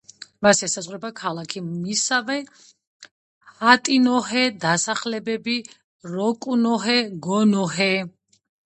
მას ესაზღვრება ქალაქები მისავა, ჰატინოჰე, დასახლებები როკუნოჰე, გონოჰე.